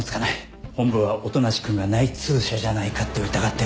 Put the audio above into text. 本部は音無君が内通者じゃないかって疑ってる。